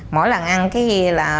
mỗi lần ăn cái gì là